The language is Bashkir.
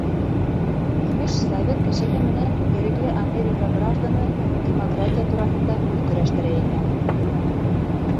Имеш, совет кешеһе менән ирекле Америка гражданы демократия тураһында һүҙ көрәштерә икән.